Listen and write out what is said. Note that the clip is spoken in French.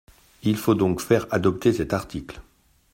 Il faut donc faire adopter cet article.